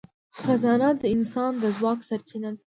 خزانه د انسان د ځواک سرچینه ده.